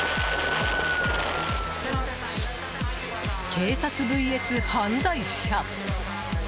警察ＶＳ犯罪者。